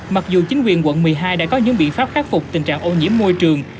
mặc dù chính quyền quận một mươi hai đã có những biện pháp khắc phục tình trạng ô nhiễm môi trường